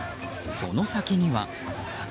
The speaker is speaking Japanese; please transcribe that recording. その先には。